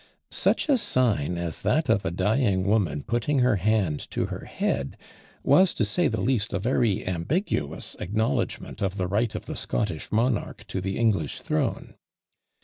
Such a sign as that of a dying woman putting her hand to her head was, to say the least, a very ambiguous acknowledgment of the right of the Scottish monarch to the English throne.